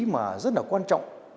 mà rất là quan trọng